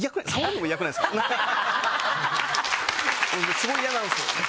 スゴい嫌なんですよ。